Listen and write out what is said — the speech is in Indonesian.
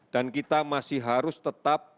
dan kita masih harus tetap berharap